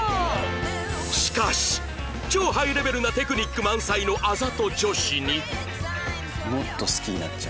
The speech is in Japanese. しかし超ハイレベルなテクニック満載のあざと女子に